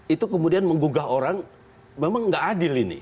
itu kemudian menggugah orang memang tidak adil ini